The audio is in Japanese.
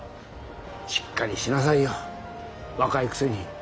しっかりしなさいよ若いくせに。